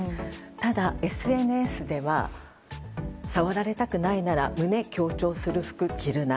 ただ、ＳＮＳでは触られたくないなら胸強調する服、着るな。